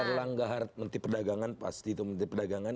enggar langgar menti perdagangan pasti itu menti perdagangan